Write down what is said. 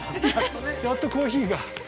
◆やっとコーヒーが。